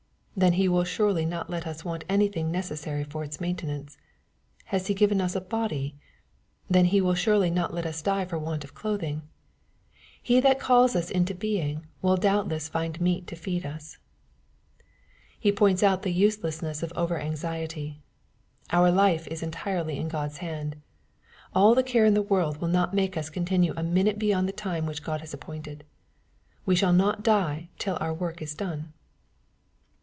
Then He will suerly not let us want anything necessary for its maintenance. Has He given us a " body ?" Then He will surely not let us die for want of clothing. He that calls us into being, will doubtless find meat to feed us. He points out the useUssnesa of over anxiety. Our life is entirely in God's hand. All the care in the world will not make us continue a minute beyond the time which God has appointed. We shall not die till our work is done.